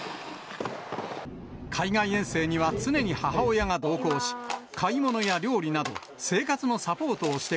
海外遠征には常に母親が同行し、買い物や料理など、生活のサポーおいしい。